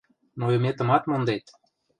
Нойыметымат мондет.